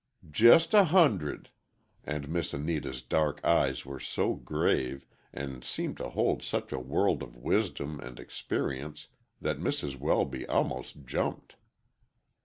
"Just a hundred," and Miss Austin's dark eyes were so grave, and seemed to hold such a world of wisdom and experience that Mrs. Welby almost jumped.